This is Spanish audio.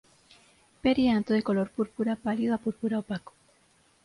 Perianto de color púrpura pálido a púrpura opaco.